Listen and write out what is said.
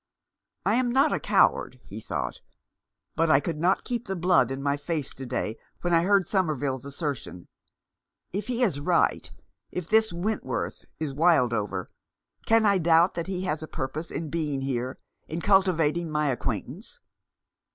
" I am not a coward," he thought ;" but I could not keep the blood in my face to day when I heard Somerville's assertion. If he is right — if this Wentworth is Wildover, can I doubt that he has a purpose in being here, in cultivating my acquaintance